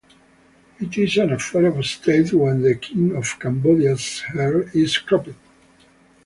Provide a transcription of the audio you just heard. It is an affair of state when the king of Cambodia's hair is cropped.